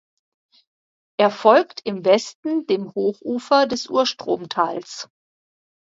Er folgt im Westen dem Hochufer des Urstromtals.